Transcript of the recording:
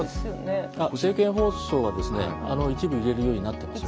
政見放送は一部入れるようになってます。